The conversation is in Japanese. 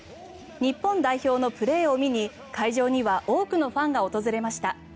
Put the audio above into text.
日本代表のプレーを見に会場には多くのファンが訪れました。